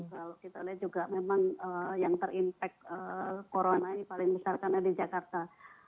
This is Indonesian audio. dan kalau kita lihat juga memang yang ter impact corona ini paling besar karena di jakarta